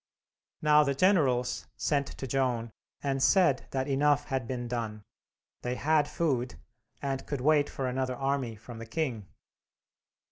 Now the generals sent to Joan and said that enough had been done. They had food, and could wait for another army from the king.